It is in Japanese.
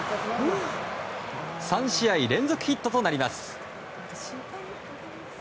３試合連続ヒットとなります。